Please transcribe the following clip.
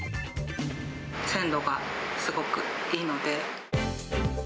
鮮度がすごくいいので。